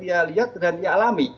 ia lihat dan ia alami